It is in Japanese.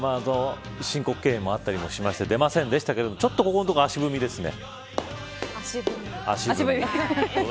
昨日は残念ながら申告敬遠もあったりして出ませんでしたがちょっとここのところ足踏みですね。